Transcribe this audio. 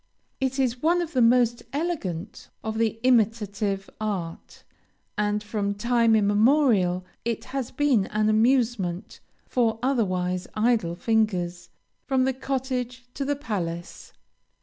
It is one of the most elegant of the imitative art, and from time immemorial it has been an amusement for otherwise idle fingers, from the cottage to the palace.